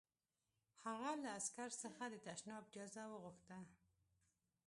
هغه له عسکر څخه د تشناب اجازه وغوښته